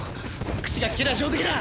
口がきけりゃ上出来だ！